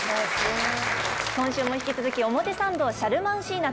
今週も引き続き表参道・シャルマンシーナ